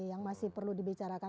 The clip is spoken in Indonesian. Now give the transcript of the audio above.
yang masih perlu dibicarakan